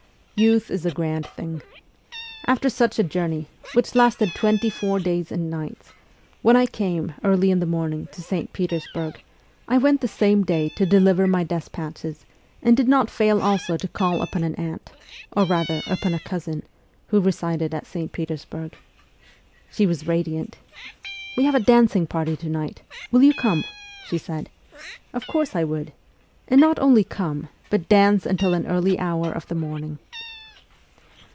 Youth is a grand thing. After such a journey, which lasted twenty four days and nights, when I came, early in the morning, to St. Petersburg, I went the same day to deliver my despatches, and did not fail also to call upon an aunt or, rather, upon a cousin who resided at St. Petersburg. She was radiant. 'We have a dancing party to night. Will you come ?' she said. Of course I would ! And not only come, but dance until an early hour of the morning.